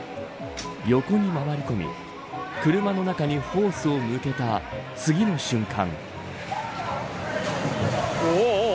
横に回り込み、車の中にホースを向けた次の瞬間。